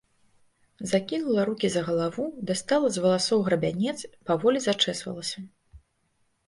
Закінула рукі за галаву, дастала з валасоў грабянец, паволі зачэсвалася.